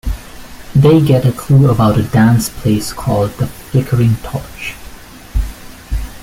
They get a clue about a dance place called The Flickering Torch.